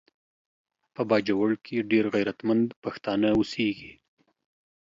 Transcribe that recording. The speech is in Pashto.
په باجوړ کې ډیر غیرتمند پښتانه اوسیږي